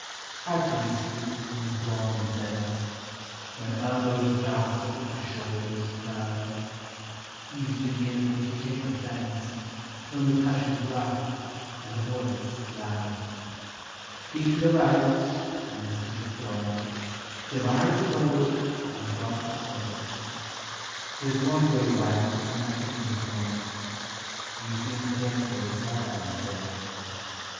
Hard to be sweet when the throng is dense, When elbows jostle and shoulders crowd ; Easy to give and to take offence When the touch is rough and the voice is loud ;" Keep to the right " in the city's throng ;" Divide the road" on the broad highway ; There 's one way right when everything 's wrong ;" Easy and fair goes far in a day."